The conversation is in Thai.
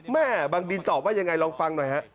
บางดินตอบว่ายังไงลองฟังหน่อยฮะ